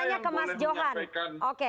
hanya dia yang boleh menyampaikan pesan pak jokowi